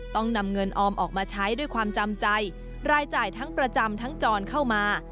ต้องนำเงินออมออกมาใช้ด้วยความจำใจรายจ่ายทั้งประจำทั้งจรเข้ามา